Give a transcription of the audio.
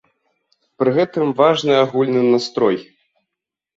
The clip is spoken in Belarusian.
Пры гэтым важны агульны настрой.